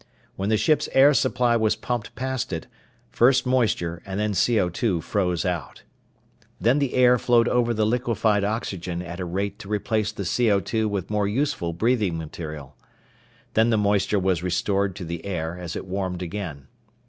When the ship's air supply was pumped past it, first moisture and then CO_ froze out. Then the air flowed over the liquefied oxygen at a rate to replace the CO_ with more useful breathing material. Then the moisture was restored to the air as it warmed again.